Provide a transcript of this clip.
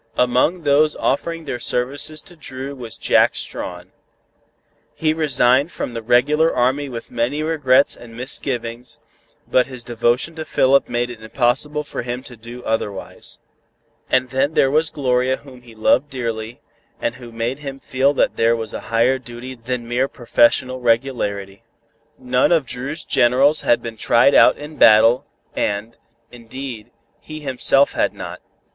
Among those offering their services to Dru was Jack Strawn. He resigned from the regular army with many regrets and misgivings, but his devotion to Philip made it impossible for him to do otherwise. And then there was Gloria whom he loved dearly, and who made him feel that there was a higher duty than mere professional regularity. None of Dru's generals had been tried out in battle and, indeed, he himself had not.